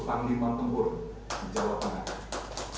panglima tempur di jawa tengah